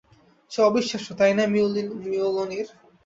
সে অবিশ্বাস্য, তাই না, মিওলনির?